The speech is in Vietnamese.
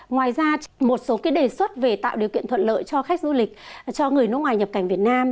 ngoài ra một số đề xuất về tạo điều kiện thuận lợi cho khách du lịch cho người nước ngoài nhập cảnh việt nam